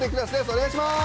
お願いします！